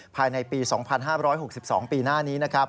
ภายในปี๒๕๖๒ปีหน้านี้